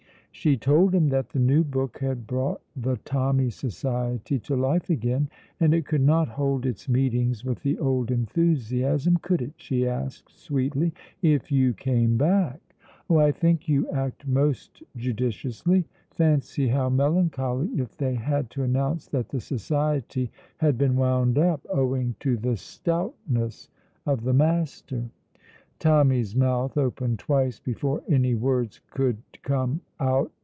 She told him that the new book had brought the Tommy Society to life again. "And it could not hold its meetings with the old enthusiasm, could it," she asked sweetly, "if you came back? Oh, I think you act most judiciously. Fancy how melancholy if they had to announce that the society had been wound up, owing to the stoutness of the Master." Tommy's mouth opened twice before any words could come out.